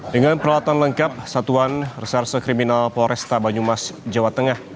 dengan peralatan lengkap satuan reserse kriminal polresta banyumas jawa tengah